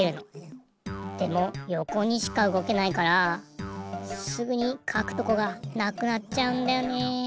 でもよこにしかうごけないからすぐにかくとこがなくなっちゃうんだよね。